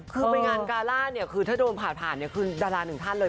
คือไปงานกาล่าเนี่ยคือถ้าโดนผ่านผ่านเนี่ยคือดาราหนึ่งท่านเลย